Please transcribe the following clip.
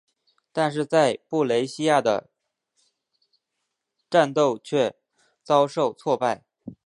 但是在布雷西亚的战斗却遭受挫败。